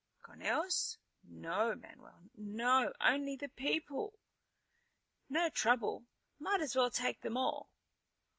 "Conejos?" "No, Manuel, no. Only the people." "No trouble. Might as well take them all."